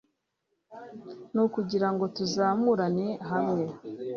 ni ukugirango tuzamurane hamwe